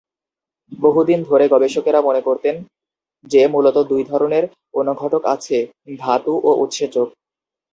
বহুদিন ধরে গবেষকেরা মনে করতেন যে মূলত দুই ধরনের অনুঘটক আছে, ধাতু ও উৎসেচক।